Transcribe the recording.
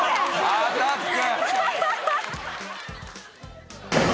アタック。